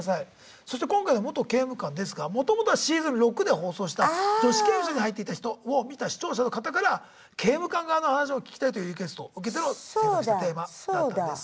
そして今回の「元刑務官」ですがもともとはシーズン６で放送した「女子刑務所に入っていた人」を見た視聴者の方から刑務官側の話も聞きたいというリクエストを受けての制作したテーマだったんです。